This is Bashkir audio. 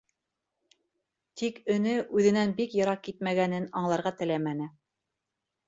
Тик өнө үҙенән бик йыраҡ китмәгәнен аңларға теләмәне.